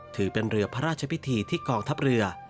ถือเป็นเรือพระราชพิธีที่กองทัพเรือ